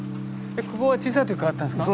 ここは小さい時からあったんですか？